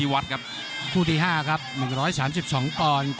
เอาอีกหน่อย